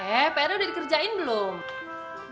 eh pera udah dikerjain belum